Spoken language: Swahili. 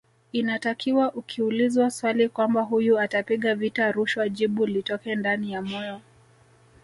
Inatakiwa ukiulizwa swali kwamba huyu atapiga vita rushwa jibu litoke ndani ya moyo